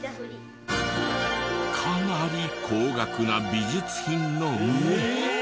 かなり高額な美術品の上。